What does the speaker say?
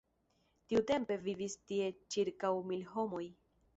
Tiutempe vivis tie ĉirkaŭ mil homoj.